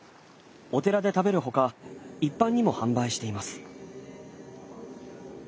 お寺で食べるほか一般にも販売しています。